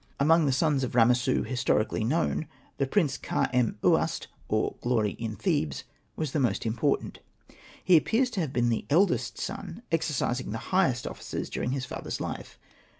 Among the sons of Ramessu his torically known, the Prince Kha.em.uast (or " Glory in Thebes '') was the most important ; he appears to haye been the eldest son, exer cising the highest offices during his father's life.